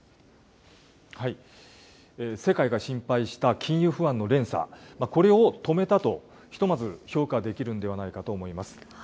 世界が心配した金融不安の連鎖、これを止めたと、ひとまず評価できるんではないかと思います。